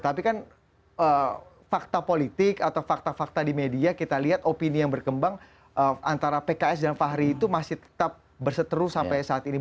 tapi kan fakta politik atau fakta fakta di media kita lihat opini yang berkembang antara pks dan fahri itu masih tetap berseteru sampai saat ini